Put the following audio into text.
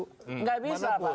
tidak bisa pak